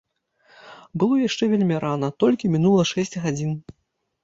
Было яшчэ вельмі рана, толькі мінула шэсць гадзін.